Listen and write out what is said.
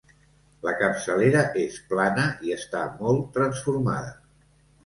La capçalera és plana i està molt transformada.